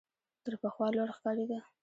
تر پخوا لوړ ښکارېده .